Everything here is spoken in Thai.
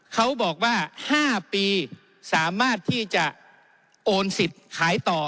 เขาบอกว่า๕ปีสามารถที่จะโอนสิทธิ์ขายต่อ